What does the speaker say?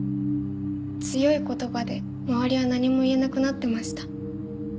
強い言葉で周りは何も言えなくなってました。